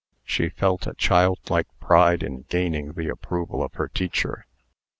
She felt a childlike pride in gaining the approval of her teacher.